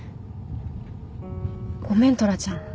ごめんトラちゃん。